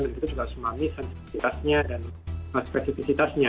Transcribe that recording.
dan itu juga semangatnya dan spesifisitasnya